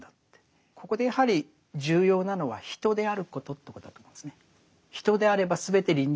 ここでやはり重要なのは人であることということだと思うんですね。